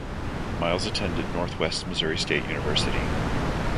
Miles attended Northwest Missouri State University.